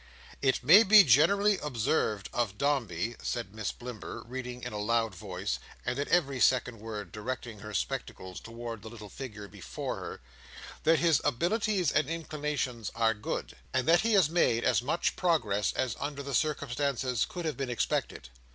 "'It may be generally observed of Dombey,'" said Miss Blimber, reading in a loud voice, and at every second word directing her spectacles towards the little figure before her: "'that his abilities and inclinations are good, and that he has made as much progress as under the circumstances could have been expected.